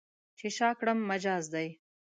چې شا کړم، مجاز دی.